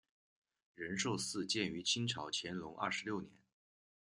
仁寿寺建于清朝乾隆二十六年。